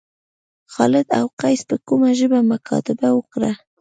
خالد او قیس په کومه ژبه مکاتبه وکړه.